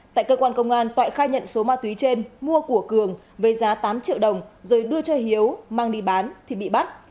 tại cơ quan công an toại khai nhận số ma túy trên mua của cường với giá tám triệu đồng rồi đưa cho hiếu mang đi bán thì bị bắt